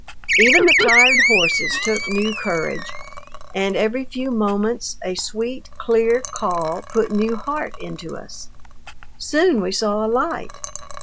Even the tired horses took new courage, and every few moments a sweet, clear call put new heart into us. Soon we saw a light.